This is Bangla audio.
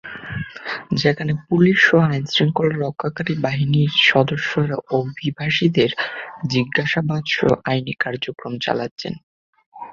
সেখানে পুলিশসহ আইনশৃঙ্খলা রক্ষাকারী বাহিনীর সদস্যরা অভিবাসীদের জিজ্ঞাসাবাদসহ আইনি কার্যক্রম চালাচ্ছেন।